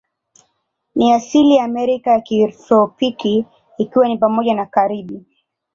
Ni asili ya Amerika ya kitropiki, ikiwa ni pamoja na Karibi.